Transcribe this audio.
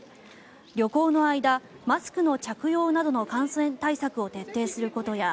旅行の間、マスクの着用などの感染対策を徹底することや